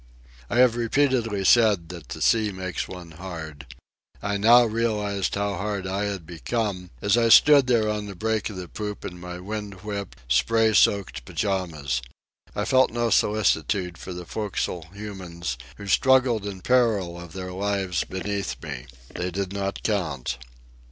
I have repeatedly said that the sea makes one hard. I now realized how hard I had become as I stood there at the break of the poop in my wind whipped, spray soaked pyjamas. I felt no solicitude for the forecastle humans who struggled in peril of their lives beneath me. They did not count.